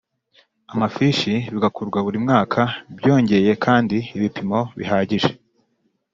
amafishi bigakorwa buri mwaka Byongeye kandi ibipimo bihagije